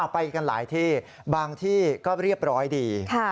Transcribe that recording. ไปกันหลายที่บางที่ก็เรียบร้อยดี